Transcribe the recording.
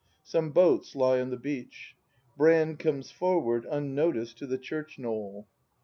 Some boats lie on the beach. Brand comes foricard, unnoticed, to the church knoll.